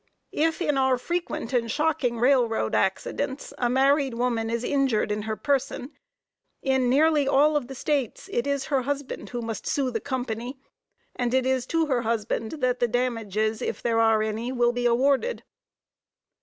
If in our frequent and shocking railroad accidents a married woman is injured in her person, in nearly all of the States, it is her husband who must sue the company, and it is to her husband that the damages, if there are any, will be awarded.